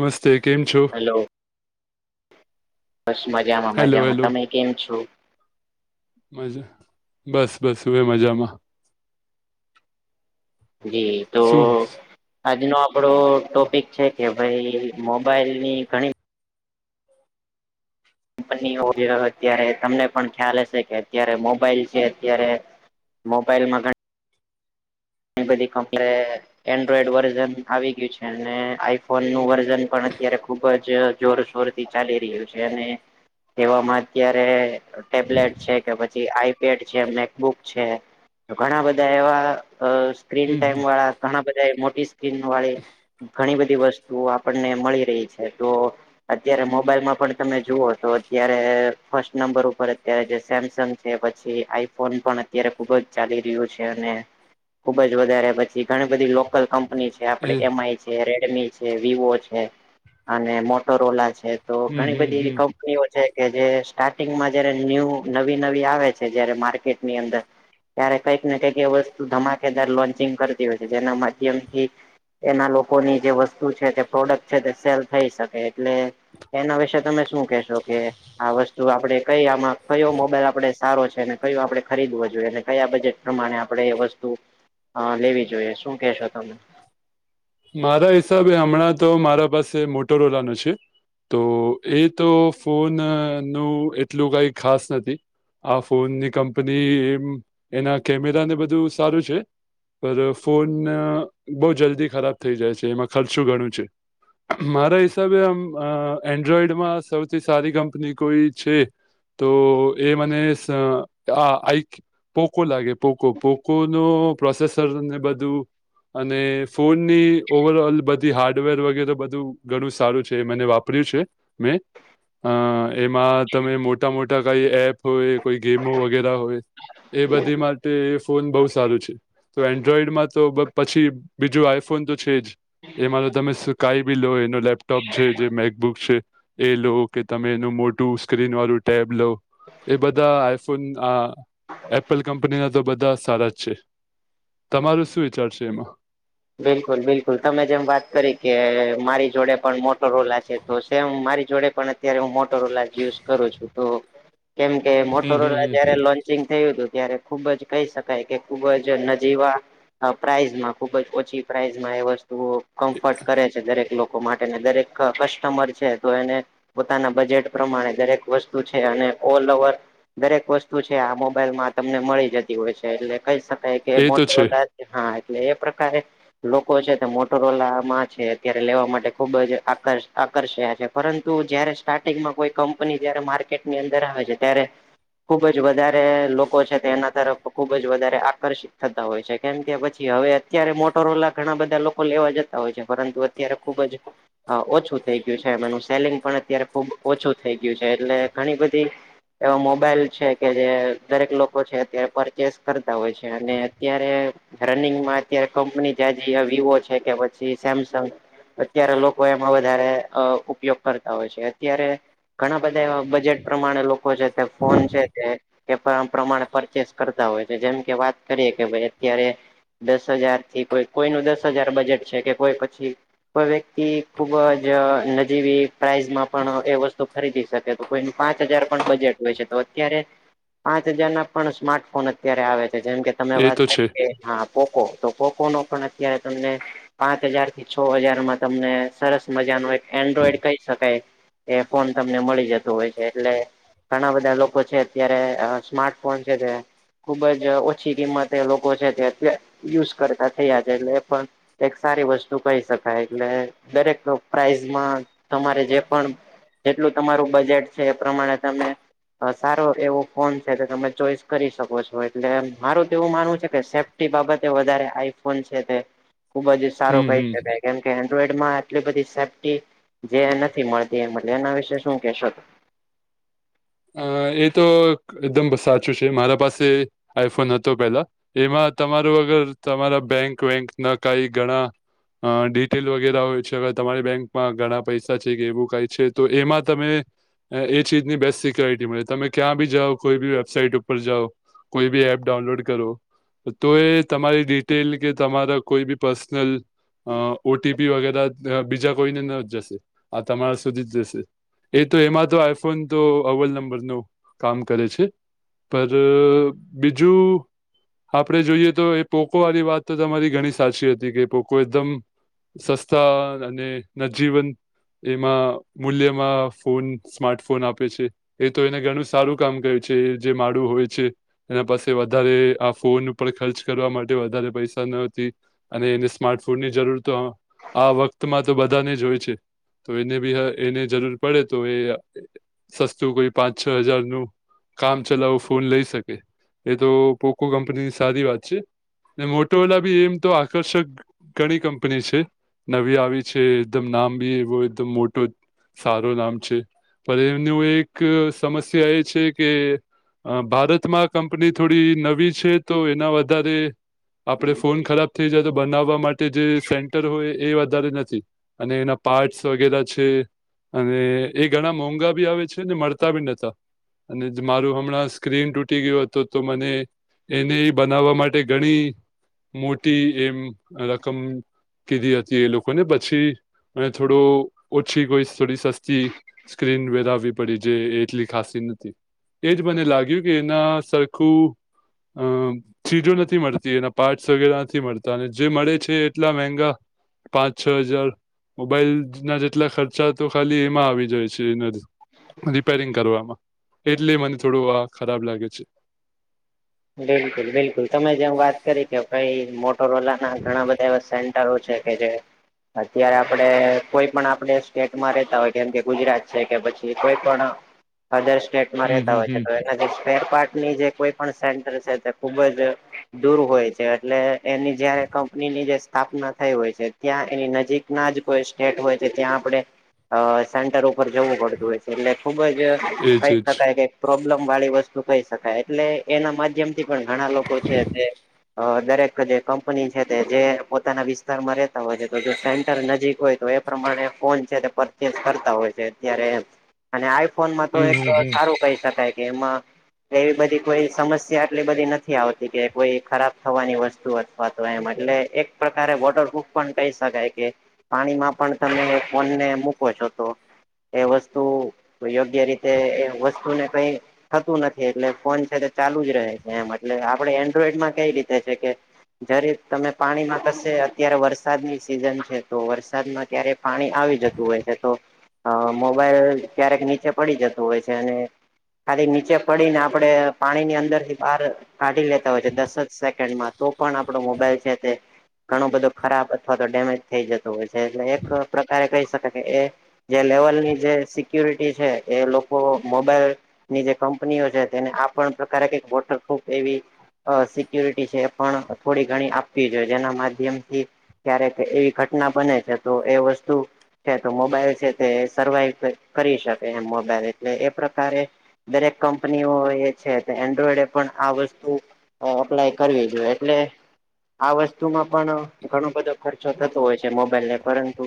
નમસ્તે કેમ છો હલો બસ મજામાં હેલો મજામાં હેલો તમે કેમ છો મજા બસ બસ હુંબી મજામાં. જી તો શું આજનો આપડો ટોપિક છે કે ભાઈ મોબાઈલ ની ઘણી કંપની ઓ અત્યારે તમને પણ ખ્યાલ હશે કે અત્યારે મોબાઈલ છે અત્યારે મોબાઈલ માં ઘણા [unintelligible] બધી કમપ્લે એન્ડ્રોઈડ વર્ઝન આવી ગયું છે આઈફોન નું વર્ઝન પણ અત્યારે ખુબ જ જોરશોર થી ચાલી રહ્યું છે અને તેવામાં અત્યારે ટેબલેટ છે કે પછી આઈપેડ છે મેકબુક છે ઘણા બધા એવા અ સ્ક્રીન હમ હમ ટાઈમ વાળા ઘણા બધા એ મોટી સ્ક્રીન વાળી ઘણી બધી વસ્તુ આપણને મળી રહી છે તો અત્યારે મોબાઈલમાં પણ તમે જુઓ તો અત્યારે ફર્સ્ટ નંબર ઉપર અત્યારે જે સેમસંગ ને પછી આઈફોન પણ અત્યારે ખુબ જ ચાલી રહ્યો છે અને ખુબ જ વધારે પછી ઘણી બધી લોકલ કંપની છે આપડે એ એમઆઈ ને રેડમી છે વિવો છે અને મોટો રોલા છે તો હમ ઘણી હમ બધી હમ એવી કં નીઓ કે જે સ્ટાર્ટિંગમાં જયારે ન્યૂ નવી નવી આવે છે જયારે માર્કેટની અંદર ત્યારે કંઈક ને કંઈક એ વસ્તુ ધમાકેદાર લોન્ચિંગ કરતી હોય છે જેના માધ્યમથી એના લોકોની જે વસ્તુ છે તે પ્રોડક્ટ છે તે સેલ થઈ શકે એટલે એના વિશેે તમે શું કેશો કે આ વસ્તુ આપડે કઈ આમાં કયો મોબાઈલ આપડે સારો છેને કયો આપડે ખરીદવો જોઈ ને કયા બજેટ પ્રમાણે આપણે એ વસ્તુ હા લેવી જોઈએ શું કેશો તમે મારા હિસાબે હમણાં તો મારા પાસે મોટો રોલા નો છે. તો એ તો ફોન નું એટલું કઈ ખાસ નથી. આ ફોનની કંપની એમ એના કેમેરા ને બધું સારું છે. પર ફોન બહુ જલ્દી ખરાબ થઈ જાય છે એમાં ખર્ચો ઘણો છે. મારા હિસાબે આમ અ એન્ડ્રોઈડમાં સૌથી સારી કંપની કોઈ છે તો એ મને સ આ આઈ ક પોકો લાગે પોકો પોકો નો પ્રોસેસર ને બધું અને ફોન ની ઓવર ઓલ બધી હાર્ડવેર વગેરે બધું ઘણું સારું છે એ મને વાપર્યું છે. મેં અહ એમાં તમે મોટા મોટા કઈ એપ હોય કોઈ ગેમો વગેરા હોય. એ બધી માટે એ ફોન બહુ સારું છે. તો એન્ડ્રોઈડમાં તો પછી બીજું આ ફોન તો છે જ એમાં તો તમે સ કાય બી લો એનો લેપટોપ છે જે મેકબુક છે એ લો કે તમે એનું મોટું સ્ક્રીન વાળું ટેબ લો એ બધા આઈફોનઆ એપલ કંપનીના તો બધા સારા જ છે. તમારુ શું વિચાર છે એમાં? બિલકુલ બિલકુલ તમે જેમ વાત કરી કે મારી જોડે પણ મોટો રોલા છે તો સેમ મારી જોડે પણ અત્યારે હું મોટો રોલાજ યુઝ કરું છું. કેમ કે હમ હમ મોટોરોલા જયારે હમ લોન ચેનજ થયું હતું ત્યારે ખુબ જ કહી શકાય કે ખુબ જ એના જેવા અહ પ્રાઈઝમાં ખુબ જ ઓછી પ્રાાઈઝમાં એ વસ્તુઓ કમ્ફર્ટ કરે છે દરેક લોક કો માટે ને દરેક કસ્ટમર છે તો એને પોતાના બજેટ પ્રમાણે દરેક વસ શું છે અને ઓલ ઓવર દરેક વસ્તુ છે આ મોબાઈલ માં તમને મળી જતી હોય છે એટલે કઈ શક કઈ કે એ તો મોટો છે રોલા હા એટલે એ પ્રકારે લોકો છે તે મોટોરોલા માં છે અત્યારે લેવા માટે ખુબ જ આકાર આકર્ષા છે. પરંતુ જયારે સ્ટાર્ટિંગમાં કોઈ કંપની જયારે માર્કેટની અંદર આવે છે ત્યારે ખુબ જ વધાર એ લોકો છે તે એના તરફ ખુબ જ વધારે આકર્ષિત થતા હોય છે કેમ કે પછી હવે અત્યારે મોટ મોટોરોલા ઘણા બધા લોકો લેવા જતા હોય છે પરંતુ અત્યારે ખુબ જ હા, ઓછું થઈ ગયું છે એમ સેલિંગ પણ અત્યારે ખુબ ઓછું થઈ ગયું છે એટલે ઘણી બધી એવા મોબાઈલ છે કે જે દરેક લોકો છે અત્યારે પરચેસ કરતા હોય છે અને અત્યારે રનિંગમાં અત્યારે કંપની જાજી વિવો છે કે પછી સેમસંગ અત્યારે લોકો એમાં વધારે અહ ઉપયોગ કરતા હોય છે અત્યારે ઘણા બધા એવા બજેટ પ્રમાણે લોકો છે તે ફોન છે તે કે આ પ્રમાણે પરચેસ કરતા હોય છે જેમ કે વાત કરીએ કે ભાઈ અત્યારે દસ હજાર થી કોઈ કોઈ નું દસ હજાર બજેટ છે કે કોઈ પછી કોઈ વ્યક્તિ ખુબ જ અહ નજીવી પ્રાઈઝમાં પણ એ વસ્તુ ખરીદી શકે કોઈનું પાંચ હજાર પણ બજેટ હોય છે તો અત્યારે પાંચ હજાર ના પણ સ્માર્ટફોન અત્યારે આવે છે જેમ કે તમે એ વાત તો છે કરી કે હા પોકો તો પોકો નો પણ અત્યારે તમને પાંચ હજાર થી છો હજાર માં તમને સરસ મજા નો એક એન્ડ્રોઈડ કહી શકાય એ ફોન તમને મળી જતું હોય છે એટલે ઘણા બધા લોકો છે અત્યારે અહ સ્માર્ટફોન છે તે ખુબ જ અહ ઓછી કિંમતે લોકો છે જે અત યુઝ કરતા થયા છે એટલે એ પણ એક સારી વસ્તુ કહી શકાય એટલે દરેક પ્રાઈઝમાં તમારે જે પણ જેટલું તમારું બજેટ છે એ પ્રમાણે તમે અહ સારો એવો ફોન છે કે તમે ચોઈસ કરી શકો છો એટલે મારું તો એવું માનવું છે કે સે તે બાબતે વધારે આઈફોન છે તે ખુબ જ સારો હમ કહી હમ શકાય. કેમ કે એન્ડ્રોઈડ માં આટલી બધી સેફ્ટી જે નથી મળતી એ એના વિશે શું કેહેશો અહ એ તો એકદમ સાચું છે મારા પાસે આઈફોન હતો પેલા એમાં તમારું વગર તમારા બેંક વેંક ના કઈ ઘણા અહ ડિટેલ વગેરે હોય છે અ તમારી બેંકમાં ઘણા પૈસા છે કે એવું કાય છે તો એમાં તમે એ ચીજની બેસ્ટ સી ક્લિયરિટી મળે. તમે ક્યાં બી જાઓ કોઈ બી વેબસાઈટ ઉપર જાઓ કોઈ બી એપ ડાઉનલોડ કરો તો એ તમારી ડિટેલ કે તમારા કોઈ બી પર્સનલ અહ ઓ ટી પી વગેરે અહ બીજા કોઈને ન જશે આ તમારા સુધી જ જશે. એ તો એમાં તો આઈફોન તો અવલ નંબરનું કામ કરે છે. પર અહ બીજું આપણે જોઈએ તો એ પોકો વાળી વાત તો તમારી ઘણી સાચી હતી કે પોકો એકદમ. સસ્તા અને નજીવન. એમાં મૂલ્યમાં ફોન સ્માર્ટ ફોન આપે છે. એ તો એને ઘણું સારું કામ કર્યું છે, એ જે માડું હોય છે. એના પાસે વધારે આ ફોન ઉપર ખર્ચ કરવા માટે વધારે પૈસા નતી. અને એને સ્માર્ટફોન ની જરૂર તો આ વખતમાં તો બધાને જ હોય છે. તો એને બી એને જરૂર પડે તો એ સસ્તું કોઈ પાંચ છ હજાર નું. કામ ચલાવો ફોન લઈ શકે એ તો પોકો કંપનીની સારી વાત છે. મોટોવાલા [unintelligible] એમ તો આકર્ષક. ઘણી કંપની છે, નવી આવી છે એકદમ નામ બી એવો એકદમ મોટો. સારું નામ છે, પણ એમનું એક સમસ્યા એ છે, કે. અ ભારતમાં કંપની થોડી નવી છે, તો એના વધારે. આપડ ફોન ખરાબ થઇ જાય તો બનાવવા માટે જે સેન્ટર હોય એ વધારે નથી. અને એના પાર્ટસ વગેરે છે, અને એ ઘણા મોંઘા ભી આવે છે. ને મળતા બી નતા અને મારું હમણાં સ્ક્રીન તૂટી [unintelligible] હતો તો મને. એને બનાવવા માટે ઘણી મોટી એમ રકમ. કીધી હતી એ લોકોને પછી મે થોડું. ઓછી કોઈ થોડી સસ્તી સ્ક્રીન [unintelligible] પડી જે એટલી ખાસ નથી એજ મને લાગ્યું કે એના સરખું. [unintelligible] ચીજો નથી મળતી એના પાર્ટસ વગેરે નથી મળતા અને જે મળે છે, એટલા મંગા. પાંચ છ હજાર મોબાઈલ ના જેટલા ખર્ચા તો ખાલી એમાં આવી જાય છે, એનાથી. રિપેરિંગ કરવામાં એટલે મને થોડું આ ખરાબ લાગે છે. બિલકુલ બિલકુલ તમે જેવ વાત કરી કે કઈ મોટરવાલા ના ઘણા [unintelligible] [unintelligible] છે, કે જે. અત્યારે આપડે કોઈ પણ આપડ સ્ટેટમાં રેતા હોય કેમ કે ગુજરાત છે, કે પછી કોઈ પણ. અધર સ્ટેટમાં હમ રહેતા હમ હોય છે, હમ તો એ જે [unintelligible] પાર્ટની જે કોઈ પણ સે. તે ખુબ જ દૂર હોય છે, એટલે એની જયારે કંપનીની જે સ્થાપના થઈ હોય છે, ત્યાં એની નજીક ના જ કોઈ સ્ટેટ હોય છે, ત્યાં આપડણે. અ સેન્ટર ઉપર જવું પડતું હોય છે, એટલે ખુબ જ એજ કહી એજ શકાય કે. પ્રોબ્લેમ વાળી વસ્તુ કહી શકાય એટલે એના માધ. પણ ઘણા લોકો છે, તે દરેક કંપની છે, જે પોતાના વિસ્તારમાં રેતા હોય છે, તો જો સેન્ટર નજીક હોય તો એ પ્રમાણે ફોન છે. પરચેસ કરતા હોય છે, અત્યારે એમ. અને આઈફોનમાં તો હમ એક હમ હમ સારું કહી સકાઈ કે એમા એવી બધી કોઈ સમસ્યા. [unintelligible] બધી નથી આવતી કે કોઈ ખરાબ થવાની વસ્તુ અથવા તો એમ એટલે એક. પ્રકારે વોટરપ્રૂફ પણ કહી શકાય કે? પાણીમાં પણ તમે ફોનને મૂકો છો તો. એ વસ્તુ અયોગ્ય રીતે, એ વસ્તુને કઈ? થતું નથી એટલે ફોન છે, તે ચાલુ જ રહે છે, એમ એટલે આપડે એન્ડ્રોઈડમાં કઈ રીતે છે, કે. જ્યારે તમે પાણીમાં તશે અત્યારે વરસાદની સિઝન છે, તો વરસાદમાં કયારે. પાણી આવી જતું હોય છે, તો અ મોબાઈલ ક્યારેક નીચે પડી જતું હોય છે, અને. ખાલી નીચે પડીને આપડે પાણીની અંદરથી. બાર કાઢી લેતા હોય છે, દસ જ સેકેન્ડમાં તો પણ આપડો મોબાઈલ છે, તે. ઘણું બધું ખરાબ અથવા તો ડેમેજ થઈ જતું હોય છે, એટલે એક પ્રકારે કહી શકાય કે એ. જે લેવલની જે સિક્યુરિટી છે, એ લોકો મોબાઈલ. ની જે કંપનીઓ છે, તેને આ પણ પ્રકારે કઈક વોટરપ્રૂફ એવી. અ સિક્યુરિટી છે, એ પણ થોડી ઘણી આપવી જોઈએ જેના માધ્યમથી. ક્યારેક એવી ઘટના બને છે, તો એ વસ્તુ. છે, તો મોબાઈલ સે તે સર્વાઈવ કર કરી શકે એમ મોબાઈલ એટલે એ પ્રકારે. દરેક કંપનીઓ એ છે, તે એન્ડ્રોઈડ એપ પણ આ વસ્તુ અ અપ્લાય કરવી જોઈએ એટલે આ વસ્તુમાં પણ ઘણો બધો ખર્ચો થતો હોય છે, મોબાઈલને પરંતુ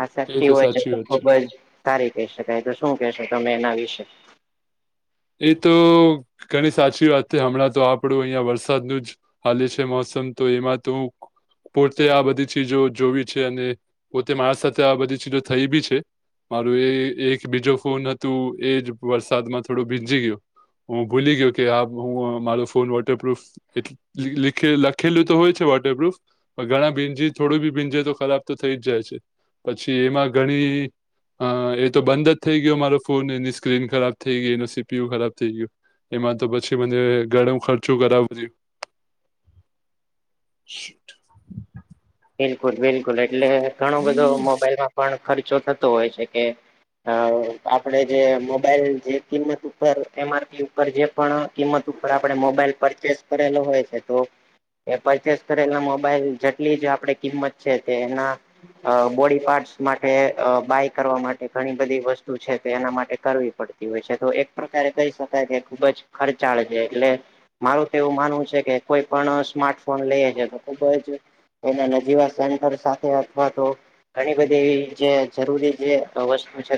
આ એ સેફટી હોય છે, સાચી તો વાત ખુબ જ સારી કહી શકાય તો શું કેશો તમે એના વિશે? એ તો ઘણી સાચી વાત તે હમણાં તો આપણું અહિયાં વરસાદનું જ હાલી છે, મોસમ તો એમાં તુ પોતે આ બધી ચીજો જોવી છે, અને પોતે મારા સાથે આ બધી ચીજો થઈ બી છે. મારું એ એક બીજો ફોન હતુ એજ વરસાદમાં થોડો ભીજી ગીયો હું ભૂલી ગયો કે આ, હું મારો ફોન વોટરપ્રૂફ એટ લીખે લખેલું તો હોય છે, વોટરપ્રુફ ઘણા ભીંજી થોડું બી ભીંજે તો ખરાબ તો થઈ જ જાય છે, પછી એમાં ઘણી હ, એ તો બંધ જ થઈ ગીયો મારો ફોન એની સ્ક્રીન ખરાબ થઈ થઈ ગઈ એનું સીપીયું ખરાબ થઈ ગયું એમાં તો પછી મને ધણુ ખર્ચું કરાવું શિટ બિલકુલ, બિલકુલ એટલે ઘણો બધો મોબાઈલમાં પણ ખર્ચો થતો હોય છે કે હ, આપડે જે મોબાઈલ જે કિંમત ઉપર એમઆરપી ઉપર જે પણ કિંમત ઉપર આપણે મોબાઈલ પરચેસ કરેલો હોય છે, તો એ પરચેસ કરેલા મોબાઈલ જેટલી જ આપણે કિંમત છે, તે એના અ બોડી પાર્ટસ માટે અ બાય કરવા માટે ઘણી બધી વસ્તુ છે, તે એના માટે કરવી પડે તી હોય છે, તો એક પ્રકારે કહી શકાય કે ખુબ જ ખર્ચાળ છે, એટલે મારું તો એવું માનવું છે કે, કોઈ પણ સ્માર્ટફોન લઈએ છે, તો ખુબ જ એના નજીવા સેન્ટર સાથે અથવા તો ઘણી બધી જે જરૂરી જે અવસ્તુ છે.